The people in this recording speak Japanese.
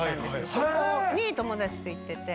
そこに友達と行ってて。